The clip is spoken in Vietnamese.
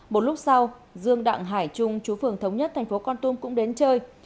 một lúc sau dương đặng hải trung chú phường thống nhất tp con tum cũng đến chơi